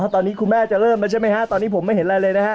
ตอนนี้คุณแม่จะเริ่มแล้วใช่ไหมฮะตอนนี้ผมไม่เห็นอะไรเลยนะฮะ